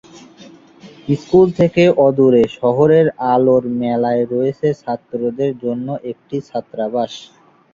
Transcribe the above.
School থেকে অদূরে শহরের আলোর মেলায় রয়েছে ছাত্রদের জন্য একটি ছাত্রাবাস।